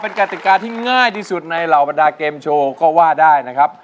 เป็นกติกาที่ง่ายที่สุดในเหล่าบรรดาเกมโชว์ก็ว่าได้นะครับ